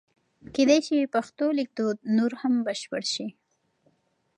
کېدای شي پښتو لیکدود نور هم بشپړ شي.